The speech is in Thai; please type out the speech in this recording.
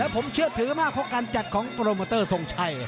ผมเชื่อถือมากเพราะการจัดของโปรโมเตอร์ทรงชัย